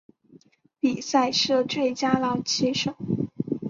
比赛设最佳老棋手。